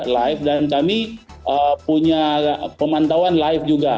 live dan kami punya pemantauan live juga